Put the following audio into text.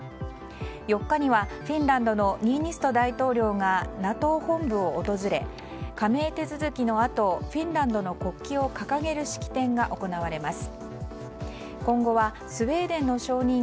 ４日には、フィンランドのニーニスト大統領がＮＡＴＯ本部を訪れ加盟手続きのあとフィンランドの国旗を掲げる式典が行われます。